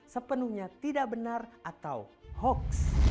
sepenuhnya tidak benar atau hoax